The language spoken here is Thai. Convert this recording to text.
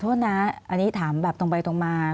โทษนะอันนี้ถามแบบตรงไปตรงมา